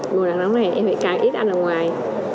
ngồi nắng nóng này em phải càng ít ăn ở ngoài